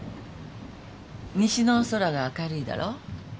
西の空が明るいだろ？